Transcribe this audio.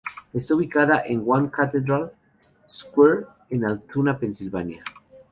Está ubicada One Cathedral Square en Altoona, Pensilvania.